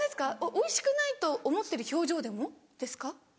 おいしくないと思ってる表情でもですか？